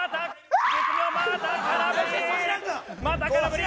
また空振り！